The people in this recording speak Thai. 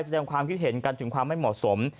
แสดงความคิดเห็นกันถึงความไม่เหมาะสม